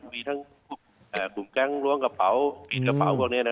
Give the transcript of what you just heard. มีทั้งกลุ่มแก๊งล้วงกระเป๋าไป